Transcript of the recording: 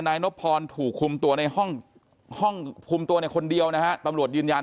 นายนบพรถูกคุมตัวในห้องห้องคุมตัวในคนเดียวนะฮะตำรวจยืนยัน